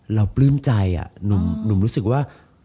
ปลื้มใจหนุ่มรู้สึกว่า